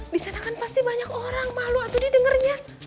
di sana kan pasti banyak orang malu atuh didengernya